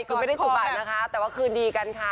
คือไม่ได้จูบหลังน้องขอบินแต่ว่าคือดีกันค่ะ